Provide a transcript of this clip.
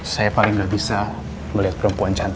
saya paling tidak bisa melihat perempuan seperti itu